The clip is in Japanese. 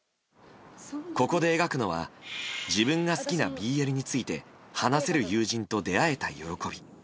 ここで描くのは自分が好きなＢＬについて話せる友人と出会えた喜び。